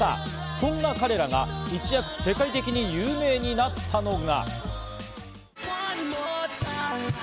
そんな彼らが一躍、世界的に有名になったのが。